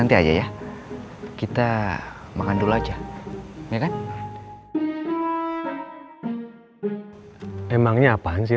apakah hal yang enak dalam menunggangikum seite ur royais yang tidak mungkin